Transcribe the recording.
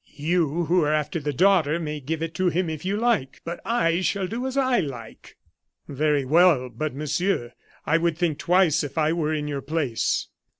You, who are after the daughter, may give it to him if you like, but I shall do as I like!" "Very well; but, Monsieur, I would think twice, if I were in your place.